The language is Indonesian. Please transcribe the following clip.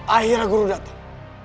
akhirnya guru datang